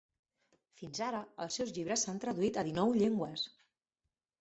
Fins ara, els seus llibres s'han traduït a dinou llengües.